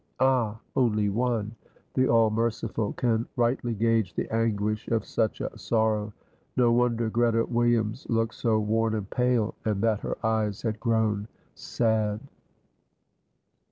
Ah, only One, the All merciful, can rightly gauge the anguish of such a sorrow. No wonder Greta Williams looked so worn and pale, and that her eyes had grown sad.